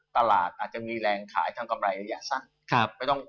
อาจจะมีแรงขายทางกำไรระยะสั้น